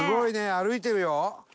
歩いてるよ。